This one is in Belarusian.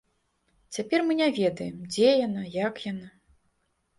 Цяпер мы не ведаем, дзе яна, як яна.